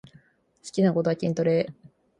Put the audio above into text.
好きなことは筋トレ